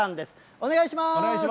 お願いします。